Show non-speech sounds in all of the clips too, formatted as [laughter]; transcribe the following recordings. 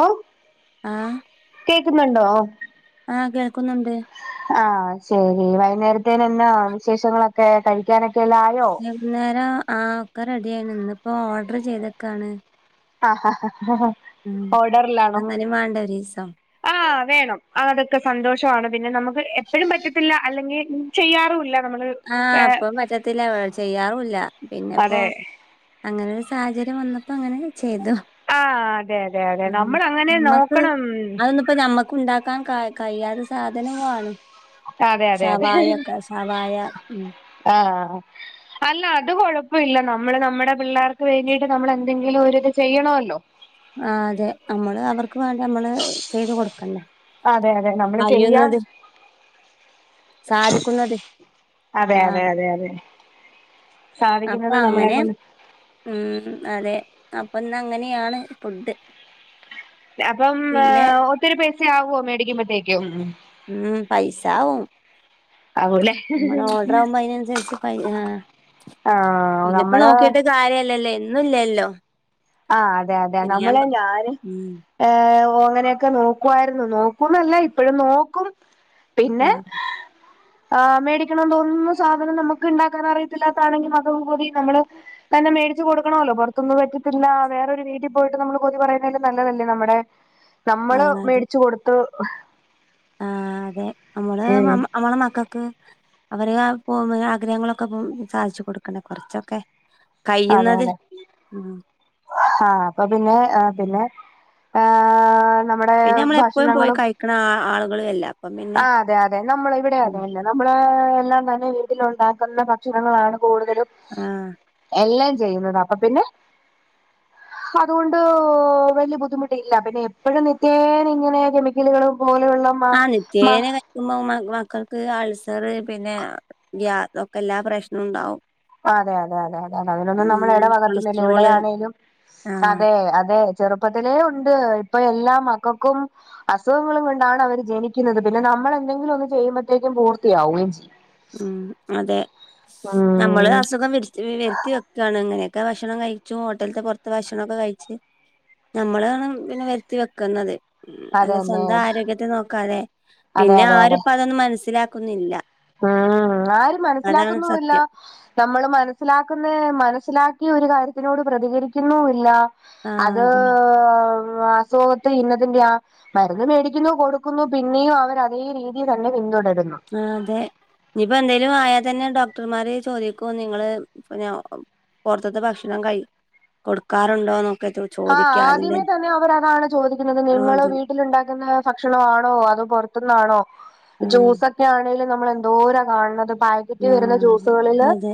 ഓ ആഹ് കേക്കുന്നുണ്ടോ ആഹ് കേൾക്കുന്നുണ്ട് ആ ശരി വെ നേരത്തെനെന്നാ വിശേഷങ്ങളൊക്കെ കഴിക്കാനൊക് ന [unintelligible] ഗുന്നേര ആപ് ക്കെ റെഡി ആയി ഇന്നിപ്പോ ഓർഡർ ചെയ്തക്കാണ് ആഹ് ആഹ് ആഹ് ഹഹ ഉം ഓർഡറിലാണോ അങ്ങനിം വാണ്ടേ ഒരീസം ആ വേണം ആ അതൊക്കെ സന്തോഷമാണ് പിന്നെ നമ്മക്ക് എപ്പഴും പറ്റത്തില്ല അല്ലെങ്കിൽ ചെയ്യാറുവില്ല ആ അപ്പം പറ്റത്തില്ല ചെയ്യാറുവില്ല പിന്നിപ്പോ അതെ അങ്ങനെരു സാഹചര്യം വന്ന അപ്പൊ അങ്ങനെ എത് ആഹ് അതെ അതെ അതെ നമ്മൾ അങ്ങനെ നമ്മക്ക് നോക്കണം അതൊന്നിപ്പ ഞമ്മക്ക് ഉണ്ടാക്കാൻ ക കയ്യാതെ സാധനവാണ് അതെ അതെ അതെ ശവയാക്ക ശവായ ഉം ആ അല്ല അത് കൊഴപ്പമില്ല നമ്മള് നമ്മടെ പിള്ളേർക്ക് വേണ്ടിട്ട് നമ്മൾ എന്തെങ്കിലും ഒരിത് ചെയ്യണമല്ലോ ആ അതെ നമ്മള് അവർക്ക് വേണ്ടി നമ്മള് ചെയ്ത് കൊടുക്കണ്ടേ അതെ അതെ നമ്മള് ചെയ്യാ കഴിയുന്നത് സാധിക്കുന്നത് അതെ അതെ ആഹ് അതെ അതെ അപ്പൊ സാധിക്കുന്നത് നമ്മളെ അങ്ങനെ കൊണ്ട് ഉം അതെ അപ്പൊന്നങ്ങനെയാണ് ഫുഡ് അപ്പം മ്അ പിന്നെ ഒത്തിരി പൈസ ആകുവോ മേടിക്കുമ്പഴ്‌ തേക്കും ഉം പൈസാവും ആകൂല്ലേ നമ്മള് ഓർഡർ ആവുമ്പോ അതിനനുസരിച്ച് പൈ ആ ആഹ് പിന്നെ ഇപ്പോ നമ്മള് നോക്കിട്ട് കാര്യല്ലല്ലേ ല്ലല്ലോ ആ അതെ അതെ നമ്മളെ ഞാന് ഉം ഏ ഒ ങ്ങനെയൊക്കെ നോക്കുവായിരുന്നു നോക്കൂന്നല്ല ഇപ്പഴും നോക്കും പിന്നെ ആഹ് ആ മേടിക്കണം തോന്നുന്നു സാധനം നമുക്ക് ഉണ്ടാക്കാൻ അറിയത്തില്ലാത്തതാണെങ്കിൽ [unintelligible] നമ്മള് തന്നെ മേടിച്ച് കൊടുക്കണോല്ലോ പുറത്തുന്ന് പ ല്ല വേറൊരു വീട്ടി പോയിട്ട് നമ്മള് കൊതി പറയുന്നലും നല്ലതല്ലേ നമ്മുടെ നമ്മള് മേടിച്ചു കൊടുത്ത് ആഹ് ആ അതെ നമ്മള് നമ്മള മക്കക്ക് അവര് പൊമ്പ ആഗ്രഹങ്ങളൊക്കെ സാധിച്ചു കൊടുക്കണ്ടേ കുറച്ചൊക്കെ അതെ അതെ ഹ അപ്പൊ പിന്നെ ആ പിന്നെ ആഹ് നമ്മുടെ പിന്നെ നമ്മളെപ്പോഴും പോയി കഴിക്കണ ആൾ ങ്ങള് എല്ല ആ അതെ അതെ നമ്മൾ ഇവിടെയതെന്നെ നമ്മള് എല്ലാം തന്നെ വീട്ടിൽ ഉണ്ടാക്കുന്ന ഭക്ഷണങ്ങളാണ് കൂടുതലും ആഹ് എല്ലാ ചെയ്യുന്നത് അപ്പൊ പിന്നെ അതുകൊണ്ട് വലിയ ബുദ്ധിമുട്ടില്ല പിന്നെ എപ്പോഴും നിത്യേന ഇങ്ങനെ കെമിക്കലുകളും പോലെയുള്ള മ മ ചേനെ കഴിക്കുമ്പോ മ മക്കൾ ക്ക് അൾസർ പിന്നെ ഗ്യാ ഒക്കെ എല്ലാ പ്രശ്നവും ഉണ്ടാവും അതെ അതെ അതെ അതെ അതിനൊന്നും നമ്മൾ ഉം എടാ ഭാഗത്തുന്നില്ല കൊളസ്ട്രോള് ഇവിടെയാണേലും ആഹ് അതെ അതെ ചെറുപ്പത്തിലേ ഉണ്ട് ഇപ്പൊ എല്ലാ മക്കക്കും അസുഖങ്ങളും കൊണ്ടാണ് അവര് ജനിക്കുന്നത് പിന്നെ നമ്മൾ എന്തെങ്കിലും ഒന്ന് ചെയ്യുമ്പോഴത്തേക്കും പൂർത്തിയാവുകയും ചെയ്യും ഉം അതെ നമ്മള് ഉം അസുഖം വരുത്തി വരുത്തി വെക്കാണ് അങ്ങനെ ഒക്കെ ഭക്ഷണം കഴിച്ചു ഹോട്ടലത്തെ പുറത്ത് ഭക്ഷണൊക്കെ കഴിച്ച് നമ്മളാണ് പിന്നെ വരുത്തി വെക്കുന്നത് ഉം അല്ല അതന്നെ സ്വന്തം ആരോഗ്യത്തെ നോക്കാതെ അതെ പിന്നെ അതെ അതെ ആരുപ്പോ അതൊന്ന് മനസ്സിലാ കുന്നില്ല ഉം ആരും മനസ്സിലാക്കുന്നുല്ല സത്യം നമ്മള് മനസ്സിലാക്കുന്നെ മനസ്സിലാ ഈ ഒരു കാര്യത്തിനോട് പ്രതികരിക്കുന്നു ഇല്ല ആഹ് അത് അതെ അസുഖത്തെ ഇന്നതിന്റെ ആ മരുന്ന് മേടിക്കുന്നു കൊടുക്കുന്നു പിന്നെയും അവര് അതേ രീതി തന്നെ പിന്തുടരു ആ അതെ ഇനിപ്പോ എന്തേലും ആയാ തന്നെ ഡോക്ടർമാര് ചോദിക്കു നിങ്ങള് പിന്നെ പുറത്തത്തെ ഭക്ഷണം കഴി കൊടുക്കാറുണ്ടോന്നൊ ഹ ആദ്യമേ തന്നെ അവരതാണ് ചോദിക്കുന്നത് ആഹ് നിങ്ങള് അതെ വീട്ടിൽ ഉണ്ടാക്കുന്ന ഭക്ഷണം ആണോ അതോ പുറ റത്ത്ന്നാണോ ആഹ് ജ്യൂസൊക്കെ ആണേലും നമ്മളെന്തോരാ കാണണത് പായ്ക്കറ്റ് വരുന്ന ജ്യൂസുകളില് ആഹ് അതെ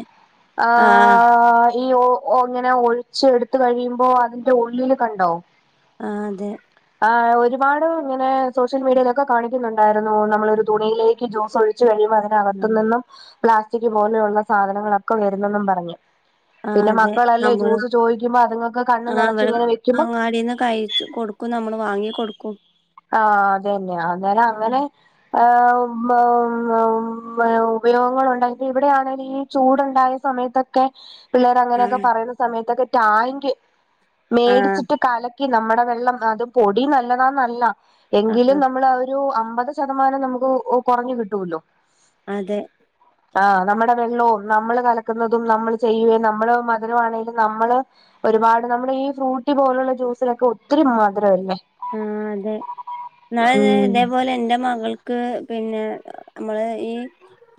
ആഹ് ഈ ഓ ഓങ്ങനെ ഒഴിച്ച് എടുത്ത് കഴിയുമ്പോ അതി ന്റെ ഉള്ളില് കണ്ടോ ആ അതെ ആ ഒരുപാട് ഇങ്ങനെ സോഷ്യൽ മീഡിയയിലൊക്കെ കാണിക്കുന്നുണ്ടായിരുന്നു നമ്മളൊരു തുണിയിലേക്ക് ജ്യൂസ് ഒഴിച്ച് ച്ച് കഴിയുമ്പോ അതിനകത്തു ആഹ് നിന്നും പ്ലാസ്റ്റിക് പോലെയുള്ള സാധനങ്ങളൊക്കെ വരുന്നെന്നും പറഞ്ഞ് ആ പിന്നെ അതെ മക്കളല്ലേ നമ്മള് ജ്യൂസ് ചോയിക്കുമ്പോ അതുങ്ങക്ക് കണ്ണ് ആ നെറ ഇവിടെ അങ്ങാടീന്ന് കഴിച്ചു കൊടുക്കും നമ്മള് വാങ്ങി കൊടുക്കും ആഹ് അതന്നെയാ അന്നേരം ഉം അങ്ങനെ ആഹ് [inaudible] ഉപയോഗങ്ങളുണ്ടെി ഇവിടെയാണേലീ ചൂടുണ്ടായ സമയത്തൊക്കെ ആ പിള്ളേരങ്ങനെയൊക്കെ പറയുന്ന സമയത്തൊക്കെ താങ്ക്യൂ ആ മേടിച്ചിട്ട് കല ക്കി നമ്മടെ വെള്ളം അത് പൊടി നല്ലതാന്നല്ല ആ എങ്കിലും ആ നമ്മളാ ഒരു അം അമ്പത് ശതമാനം നമുക്ക് കൊറഞ്ഞു കിട്ടൂല്ലോ അതെ ആ നമ്മടെ വെള്ളോം നമ്മള് കലക്കുന്നതും നമ്മള് ചെയ്യുവേം നമ്മള് മധുരവാണേലും നമ്മള് ഒരുപാട് നമ്മുടെ ഈ ഫ്രൂട്ടി പോലുള്ള ജ്യൂസിലൊക്കെ ഒത്തിരി മധുരവല്ലേ ആഹ് അതെ ഇന്നാള് ദേ ഉം ഇതേപോലെ എൻ്റെ മകൾക്ക് പിന്നെ നമ്മള് ഈ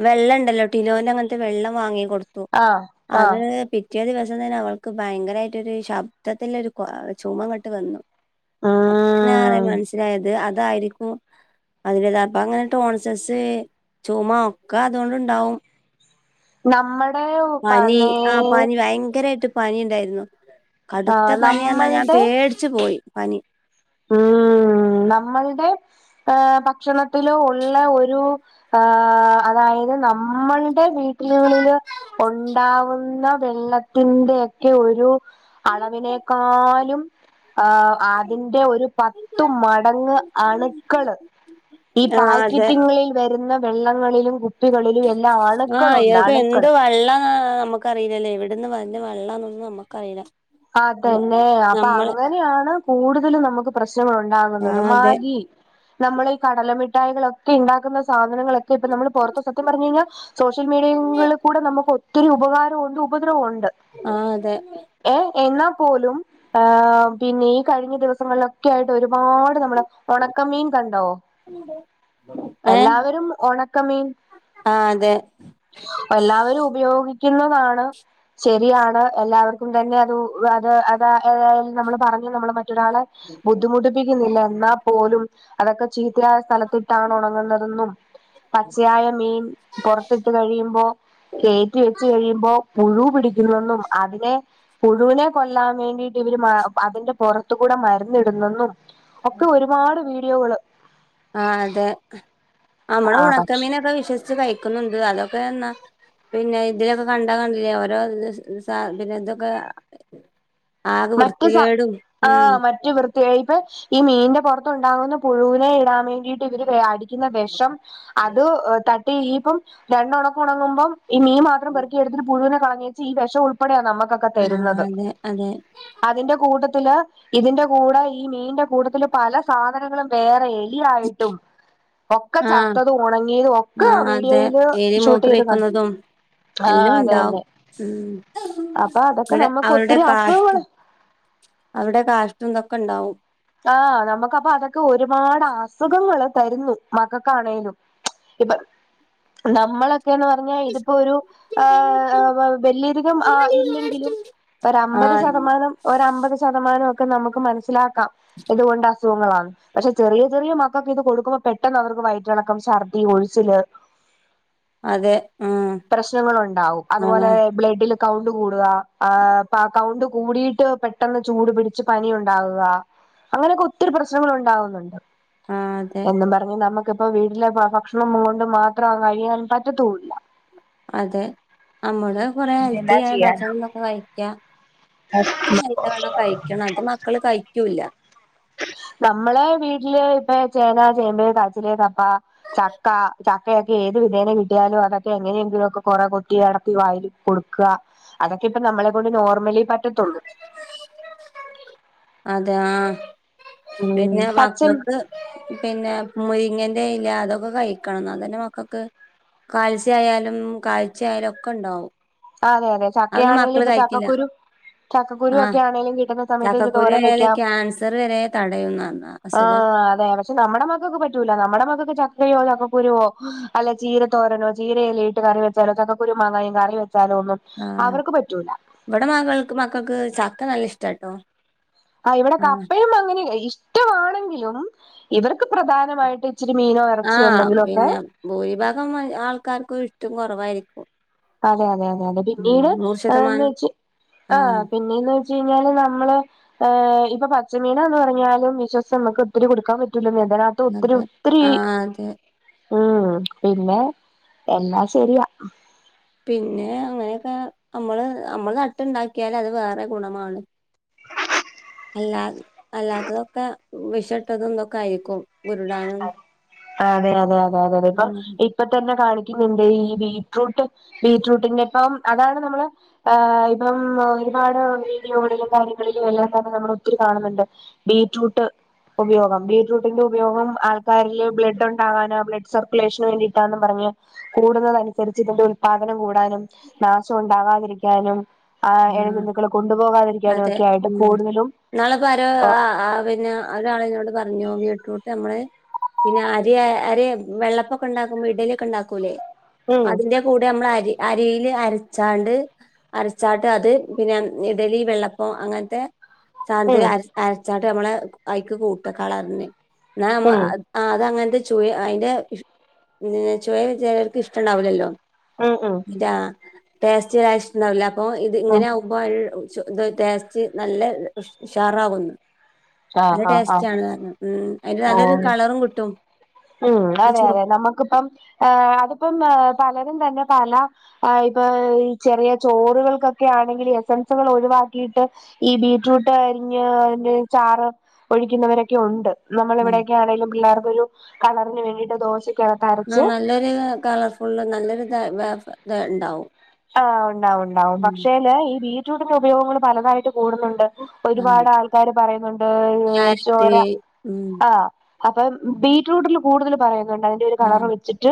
വെള്ളണ്ടല്ലോ ടിലോന്റങ്ങനത്തെ വെള്ളം വാങ്ങി കൊടു ത്തു ആഹ് അത് ആഹ് പിറ്റ് പിറ്റേ ദിവസം തന്നെ അവൾക്ക് ഭയങ്കരായിട്ടൊരു ശബ്ദത്തിലൊരു കൊ ചുമ ഇങ്ങട്ട് വന്നു ഉം [unintelligible] മനസ്സിലായത് അത് തായിരിക്കും അത് പോലെ അപ്പോ അങ്ങനെ ടോൺസിലസ് ചുമ ഒക്കെ അതുകൊണ്ട് ഉണ്ടാവും നമ്മടെ ആ [unintelligible] പനി ഭയങ്കരായിട്ട് പനി ഉണ്ടായിരുന്നു കടുത്ത ആഹ് പനിയെന്ന് പറഞ്ഞാ ഞാൻ നമ്മൾടെ പേടിച്ചു പോയി പനി ഉം നമ്മൾടെ ആഹ് ഭക്ഷണത്തിലോ ഉള്ള ഒ രു ആ അതായത് നമ്മൾടെ വീ ടുകളില് ഒണ്ടാവുന്ന വെള്ളത്തിന്റെയെക്കെ ഒരു അളവിനേക്കാലും ആഹ് അതിന്റെ ഒ പത്ത് മടങ്ങു അണുക്കള് ഈ ആ പാൽകിറ്റുങ്ങളിൽ - വരുന്ന വെള്ളങ്ങളിലും കു - ആഹ് അത് എന്ത് വെള്ളം വാ നമ്മുക്ക് അറിയില്ലല്ലോ എവിടെ- ഇവിടെന്ന് വരുന്ന വെള്ളാന്നൊന്നും നമുക്കറിയില്ല അത് തന്നെ അപ്പൊ അങ്ങനെയാണ് കൂടുതല് നമുക്ക് പ്രശ്നം ആ ഉണ്ടാകുന്നത് അതെ മാഗി നമ്മള് ഈ കടലമിഠായികളൊക്കെ ഇണ്ടാക്കുന്ന സാധ- സാധനങ്ങളൊക്കെ ഇപ്പ നമ്മള് പൊറത്ത് സത്യം പറഞ്ഞ് കഴിഞ്ഞാൽ സോഷ്യൽ മീഡിയളിൽ കൂടെ നമുക്ക് ഒ - ഒത്തിരി ഉപകാരവും ഉണ്ട് ഉപദ്രവം ഉണ് ആഹ് അതെ ഏ എന്നാൽ പോലും ഏഹ് പിന്നെ ഈ കഴിഞ്ഞ ദിവസങ്ങളിലൊക്കെ ആയിട്ട് ഒരു ഒരുപാട് നമ്മുടെ ഉണക്കമീൻ കണ്ടോ ഏ എല്ലാവരും ഉണക്കമീൻ ആ അതെ എല്ലാവരും ഉപയോഗി ക്കുന്നതാണ് ശരിയാണ് എല്ലാവർക് ക്കും തന്നെ അത് അത് അതായ നമ്മള് പറഞ്ഞ നമ്മൾ മറ്റൊരാളെ ബുദ്ധിമുട്ടിപ്പിക്കുന്നില്ല എന്നാ പോലും അതൊക്കെ ചീത്തയായ സ്ഥലത് ത്തിട്ടാണ് ഉണങ്ങുന്നതെന്നും പച്ചയായ മീൻ പുറത്തിട്ട് കഴിയുമ്പോ കേറ്റി വെച്ച് കഴിയുമ്പോ പുഴു പിടി ക്കുന്നന്നും അതിനെ പുഴുവിനെ കൊല്ലാൻ വേണ്ടിട്ട് ഇവര് അതിന്റെ പുറത്ത് കൂടെ മര്ന്നിടുന്നെന്നും ആ അതെ നമ്മള് ആ പക്ഷെ ഉണക്കമീനൊക്കെ വിശ്വസിച്ച് കഴിക്കുന്നുണ്ട് അതൊക്കെ എന്നാ പിന്നെ ഇതിലൊക്കെ കണ്ടാക്കണ്ടില്ലേ ഓരോ പിന്നെ [unintelligible] ഇതൊക്കെ ആക മറ്റ് സ വൃത്തികേടും ഉം ആഹ് [unintelligible] ഈ മീന്റെ പുറത്തുണ്ടാവുന്ന പുഴുനെ ഇടാമേ ണ്ടിട്ട് ഇവര് അടിക്കുന്ന വെഷം അത് ത ഈപ്പം രണ്ടോണക്കോണങ്ങുമ്പം ഈ മീൻ മാത്രം പെറുക്കിയെടുതിട്ട് പുഴുനെ കളഞ്ഞെ ഈ വെഷം ഉൾപ്പെടെയ നമ്മ ആഹ് അതെ അതെ അതിന്റെ കൂട്ടത്തില് ഇതിന്റെ കൂടെ ഈ മീന്റെ കൂട്ടത്തില് പല സാധനങ്ങളും വേറെ ഈ ആയിട്ടും ഒക്കെ ചത്തതും ഒണങ്ങിതും ഒ ആ അതെ എലി മൂത്രോഴിക്കുന്നതും ആഹ് എല്ലാം ഉണ്ടാവും അതന്നെ മ് അപ്പൊ അതൊക്കെ ഇവിടെ നമുക്ക് അവരുടെ ഒത്തിരി കാഷ്ട്ട അസുഖങ്ങള് അവരുടെ കാഷ്ടം ഇതൊക്കെ ഉണ്ടാവും ആഹ് നമുക്ക് അപ്പൊ അതൊക്കെ ഒരുപാട് അസുഖങ്ങള്. തരുന്നു മക്കക്കാണേലും ഇപ്പൊ നമ്മ ക്കേന്ന് പറഞ്ഞാൽ ഇതിപ്പൊ ഒരു ആഹ് വല്യധികം ആഹ് ഇല്ലെങ്കിലും ഒരു അമ്പത് ആഹ് ശതമാനം ഒരമ്പത് ശതമാനവും. ഒക്കെ നമുക്ക് മനസ്സിലാക്കാം. ഇതുകൊണ്ട് അസുഖങ്ങളാണ്, പക്ഷെ ചെറിയ ചെറിയ മക്കൾക്ക് ഇത് കൊടുക്കുമ്പോ പെട്ടെന്ന് അവർക്ക് വയറ്റിളക്കം ഛർദി ഒഴിച്ചില്. അതെ ഉം പ്രശ്നങ്ങള് ഒണ്ടാവും ആഹ് അതുപോലെ ബ്ലഡില്. കൗണ്ട് കൂടുക. ആ പ കൗണ്ട് കൂടിയിട്ട് പെട്ടെന്ന് ചൂട് പിടിച്ച് പനി ഉണ്ടാവുക അങ്ങനെയൊക്കെ ഒത്തിരി പ്രശ്നങ്ങൾ ഒണ്ടാവുന്നുണ്ട് ആഹ് അതെ എന്നും പറഞ്ഞ് നമു ക്കിപ്പ വീട്ടിലെ ഭ ഭക്ഷണം കൊണ്ട് മാത്രം അ കഴിയാൻ പറ്റത്തൂല്ല അതെ നമ്മള് കൊറെ പിന്നെ എന്നാ ഹെൽത്തിയായ ചെയ്യാൻ ഭക്ഷണും ഇതൊക്കെ കഴിക്കാ ഹെൽത്തിയായിട്ടു വേണം കഴിക്കണം അത് മക്കള് കഴിക്കൂല്ല നമ്മളെ വീട്ടില് ഇപ്പ ചേന ചേമ്പ് കാച്ചില് കപ്പ ചക്ക ചക്കയൊക്കെ ഏത് വിധേന കിട്ടിയാലും അതൊക്കെ എങ്ങനെയെങ്കിലും ഒക്കെ കൊറെ കൊത്തി അടത്തി വായില് കൊടുക്ക അതൊക്കെ ഇപ്പ നമ്മളെ കൊണ്ട് നോർമലി പ റ്റത്തൊള്ളൂ തെ ആ പിന്നെ പച്ചൻ മക്കക്ക് പിന്നെ മുരിങ്ങേന്റെ ഇല അതൊക്കെ കഴിക്കണം ഇന്നാ തന്നെ മക്കക്ക് കാൽസ്യായാലും കാഴ്ചായാലും ഒക്കെ ഇണ്ടാവും ആ അതെ അതെ ചക്കയാണേല് ഇപ്പൊ ചക്കക്കുരു ചക്കക്കുരു ആഹ് ഒക്കെ ആണേലും കിട്ടുന്ന സമയത്ത് ഒരു ചക്കക്കുരു തോരൻ ആയാല് വെക്കാം ക്യാൻസർ വരെ തടയുംന്ന് പറഞ്ഞ് ആ അസുഖം അതെ പക്ഷെ നമ്മടെ മക്കക്ക് പറ്റൂല നമ്മടെ മക്കക്ക് ചക്കയോ ച ക്ക കുരുവോ അല്ല ചീര തോരനോ ചീരയില ഇട്ട് കറി വെച്ചാലോ ചക്കക്കുരു മാങ്ങായും കറി വെ ആഹ് ഇവിടെ മകൾക്ക് മക്കക്ക് ച ക്ക നല്ല ഇഷ്ടാട്ടോ ആ ഇവിടെ ആഹ് കപ്പയും അങ്ങനെ ഇഷ്ട വാണെങ്കിലും ഇവർക്ക് പ്രധാനമായിട്ട് ഇച്ചിരി മീനോ ഇറച്ചിയോ ആഹ് എന്തെങ്കിലും ഒക്കെ പിന്ന ഭൂരിഭാഗം മ ആൾക്കാർക്കും ഇഷ് ട്ടും കൊറവായിരിക്കും അതെ അതെ അ പോകെ പിന്നീട് ആന്ന് ശതമാനം വെച്ച് ആഹ് പിന്നേന്ന് വെച്ച് കഴിഞ്ഞാല് നമ്മള് ആ ഇപ്പ പച്ചമീനാന്ന് പറഞ്ഞാലും വിശ്വസിച്ചു നമുക്ക് ഒത്തിരി കൊടുക്കാൻ പറ്റു റ്റൂലന്നേ ഇതിനകത്ത് ഒത്തിരി അതെ ഒത്തിരി ആ അതെ ഉം പിന്നെ എല്ലാ ശെരിയാ പിന്നെ അങ്ങനെയൊക്കെ അമ്മള് അമ്മള് നട്ടുണ്ടാക്കിയാല് അത് വേറെ ഗുണമാണ് അല്ലാ അല്ലാത്തതൊക്കെ വിഷട്ടതും തൊക്കെ ആയിരിക്കും ഉരുടാനും അതെ അതെ അതെ അതെ ഉം അതിപ്പം ഇപ്പതന്നെ കാണി [unintelligible] ണ്ട് ഈ ബീട്രൂട്ട് ബീട്രൂട്ടിന്റെ ഇപ്പം അതാണ് നമ്മള് ഇപ്പം ഒരുപാട് വീഡിയോകളിലും കാര്യങ്ങളിലും എല്ലാം തന്നെ നമ്മള് ഒത്തിരി കാണുന്നുണ്ട് ബീട്രൂട്ട് ഉപയോഗം ബീട്രൂട്ടിന്റെ ഉപയോഗം ആൾക്കാരില് ബ്ലഡ് ഉണ്ടാവാനോ ബ്ലഡ് സർക്കുലേഷന് വേണ്ടിയിട്ടാന്ന് പറഞ്ഞ് കൂടുന്നുന്നത് അനുസരിച്ച് ഇതിന്റെ ഉല്പാദനം കൂടാനും നാശം ഉണ്ടാവാതിരിക്കാനും ആ അതെ ഒക്കെ ആയിട്ട് ഉം കൂടുതലും ഇന്നാള്പ്പാരോ ആ ആ പിന്നെ ഒരാളെന്നോട് പറഞ്ഞു വീ ട്രൂട്ട് നമ്മള് പിന്നെ അരി അര വെള്ളപ്പംഒക്കെ ഉണ്ടാക്കുമ്പോ ഇഡ്ഡലിയൊക്കെ ഇണ്ടാക്കൂലേ ഉം അതിന്റെ കൂടെ നമ്മള് അരി അരിയില് അരച്ചാണ്ട് അര ചാട്ട് അത് പിന്നെ ഇഡലി വെള്ളപ്പം അങ്ങനത്തെ ചാന്ത് ഉം അര അരച്ചാട്ട് ഞമ്മളെ അയ്ക്ക് കൂട്ട കളറിന് ന അമ ഉം അ അതങ്ങനെ അതിന്റെ ചുയ അതിന്റെ ചുവയ് ചിലർക്ക് ഇഷ്ടണ്ടാവൂല്ലല്ലോ ഉം ഉം ഇതാ ടേസ്റ്റ് ഇഷ്ടണ്ടാവില്ല അപ്പൊ ഇത് ഉം ഇങ്ങനെ ആവുമ്പോ ഇത് ടേസ്റ്റ് നല്ല ഉഷാറാവുന്നു ആഹ് നല്ല ആഹ് ആഹ് ടേസ്റ്റാണ് കാരണം ഉം അതിന്റെ നല്ലൊരു ഓഹ് കളറും കിട്ടും ഉം അതെ ചുവ അതെ നമുക്കിപ്പം അതിപ്പം പലരും തന്നെ പല ഇപ്പ ഈ ചെറിയ ചോറുകൾക്കൊക്കെ ആണെങ്കിൽ എസൻസുകൾ ഒഴിവാക്കിയിട്ട് ഈ ബീറ്റ്റൂട്ട് അരിഞ്ഞ് അതിന്റെ ചാറ് ഒഴിക്കുന്നവരൊക്കെ ഉണ്ട് നമ്മള് ഇവിടെയൊക്കെയാണേലും പിള്ളേർക്കൊരു കളറിന് വേണ്ടിട്ട് ദോശ ആ നല്ലൊരു കളർഫുൾ നല്ലൊരു താ ഇത് ഇണ്ടാവും ആ ഉണ്ടാവുണ്ടാവും പക്ഷേല് ഈ വീ ബീറ്റ്‌റൂട്ടിന്റെ ഉപയോഗങ്ങൾ പലതായിട്ട് കൂടുന്നുണ്ട് ആ ഒരുപാട് ആൾക്കാര് പറയുന്നുണ്ട് ക്യാരറ്റ് ചോര ഉം ആ അപ്പം ബീറ്റ്റൂട്ടിൽ കൂടുതൽ പറയാ ന്നുണ്ട് അതിന്റെ ഒരു ആ കളർ വെച്ചിട്ട്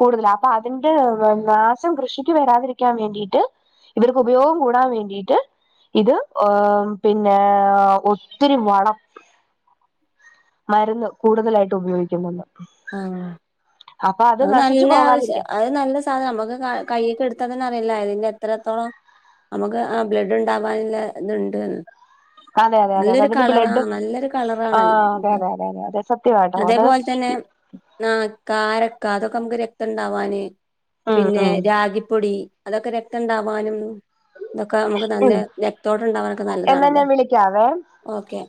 കൂടുതല് അപ്പൊ അതിന്റെ നാശം കൃഷിക്ക് വരാതിരിക്ക ക്കാൻ വേണ്ടിട്ട് ഇവർക്ക് ഉപയോഗം കൂടാൻ വേണ്ടിട്ട് ഇത് ഏ പിന്നെ ഒത്തിരി വളം മരുന്ന് കൂടുതലായിട്ട് ഉപയോഗിക്കുന്നുണ്ട് ആഹ് അപ്പൊ അത് നശിച്ചു നല്ല ആശ്യം പോകാതിരിക്കാൻ അത് നല്ല സാധനം നമ്മുക്ക് കയ്യൊക്കെ എടുത്ത ന്ന അറിയില്ല ഇതിന്റെ എത്രത്തോളം നമുക്ക് ആ ബ്ലഡ് ഉണ്ടാവാനുള്ള ഇത്ണ്ട്ന്ന് അതെ അതെ അതെ അതെ നല്ലൊരു അതിന്റെ കളറ ആ ബ്ലഡ് നല്ലൊരു കളറാണല്ലോ ആഹ് അതെ അതെ അതെ അതെ അതെ സത്യമാട്ടോ അത് അതേപോലെ തന്നെ ന കാര അതൊക്കെ നമുക്ക് രക്തം ഉണ്ടാവാന് ഉം പിന്നെ ഉം രാഗിപ്പൊടി അതൊക്കെ രക്തം ണ്ടാവാനും ഇതൊക്കെ നമുക്ക് നല്ല ഉം രക്‌തോട്ടം ഉണ്ടാവാനൊക്കെ എന്നാ നല്ലതാണല്ലോ ഞാൻ വിളിക്കാവേ ഓക്കെ